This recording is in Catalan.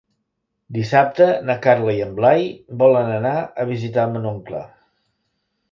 Dissabte na Carla i en Blai volen anar a visitar mon oncle.